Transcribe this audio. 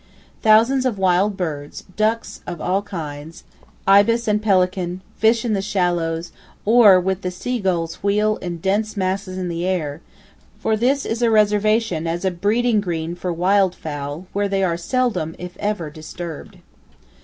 Thousands of wild birds, duck of all kinds, ibis and pelican, fish in the shallows, or with the sea gulls wheel in dense masses in the air, for this is a reservation as a breeding green for wild fowl, where they are seldom, if ever, disturbed.